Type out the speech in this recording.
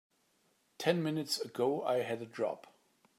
Ten minutes ago I had a job.